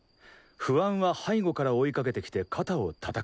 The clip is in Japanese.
不安は背後から追いかけてきて肩を叩く。